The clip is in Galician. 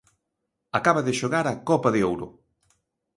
Acaba de xogar a Copa de Ouro.